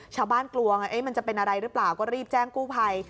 กลัวไงมันจะเป็นอะไรหรือเปล่าก็รีบแจ้งกู้ภัย